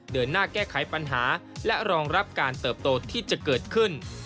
เดินหน้าแก้ไขปัญหาและรองรับการเติบโตที่จะเกิดขึ้น